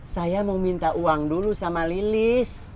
saya mau minta uang dulu sama lilis